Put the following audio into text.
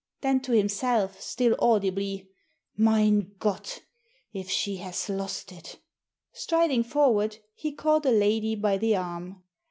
Then, to himself, still audibly, "Mein Gott! If she has lost it!" Striding forward, he caught a lady by the arm.